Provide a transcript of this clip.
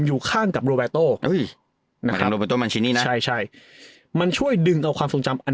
อยู่ข้างกับโรแบโตนะครับมันช่วยดึงเอาความทรงจำอัน